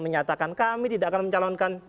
menyatakan kami tidak akan mencalonkan